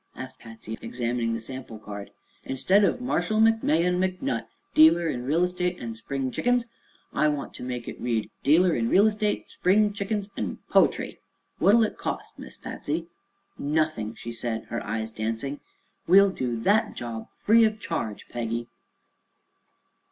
asked Patsy, examining the sample card. "Instead of 'Marshall McMahon McNutt, dealer in Real Estate an' Spring Chickens,' I want to make it read: 'dealer in Real Estate, Spring Chickens an' Poetry.' What'll it cost. Miss Patsy?" "Nothing," she said, her eyes dancing; "We'll do that job free of charge, Peggy!"